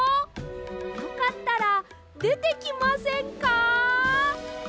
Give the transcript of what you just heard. よかったらでてきませんか？